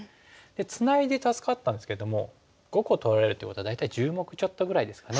ツナいで助かったんですけども５個取られるということは大体１０目ちょっとぐらいですかね。